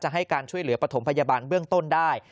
ให้การช่วยเหลือปฐมพยาบาลเบื้องต้นได้